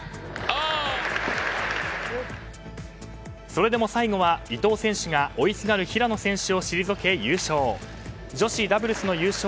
それでも最後は伊藤選手が追いすがる平野選手を退け優勝。